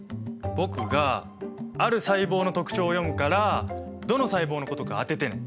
僕がある細胞の特徴を読むからどの細胞のことか当ててね。